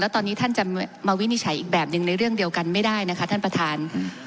ตอนนี้ท่านจะมาวินิจฉัยอีกแบบหนึ่งในเรื่องเดียวกันไม่ได้นะคะท่านประธาน